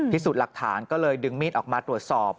พิสูจน์หลักฐานก็เลยดึงมีดออกมาตรวจสอบ